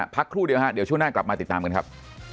ครู่เดียวฮะเดี๋ยวช่วงหน้ากลับมาติดตามกันครับ